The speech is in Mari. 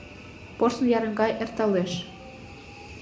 Порсын ярым гай эрталеш.